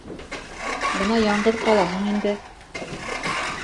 Бына яңғыҙ ҡалаһың инде.